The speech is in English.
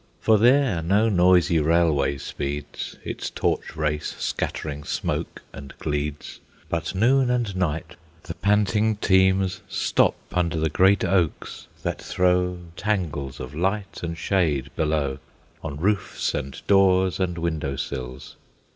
For there no noisy railway speeds, Its torch race scattering smoke and gleeds; But noon and night, the panting teams Stop under the great oaks, that throw Tangles of light and shade below, On roofs and doors and window sills.